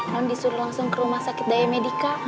non disuruh langsung ke rumah sakit daya medika